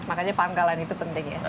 makanya pangkalan itu penting ya